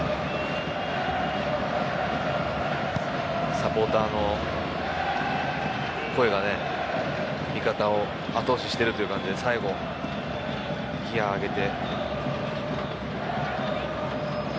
サポーターの声が味方をあと押ししているという感じで最後、ギアを上げて。